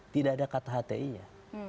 tidak ada kata hti nya